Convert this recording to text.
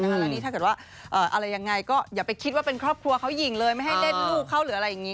แล้วนี่ถ้าเกิดว่าอะไรยังไงก็อย่าไปคิดว่าเป็นครอบครัวเขาหญิงเลยไม่ให้เล่นลูกเขาหรืออะไรอย่างนี้